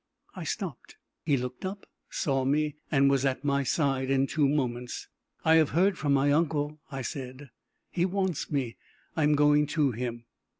I stopped. He looked up, saw me, and was at my side in two moments. "I have heard from my uncle," I said. "He wants me. I am going to him."